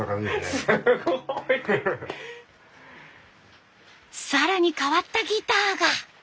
すごい！更に変わったギターが。